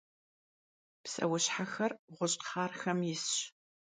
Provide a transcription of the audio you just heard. Pseuşhexer ğuş'xharxem yisş.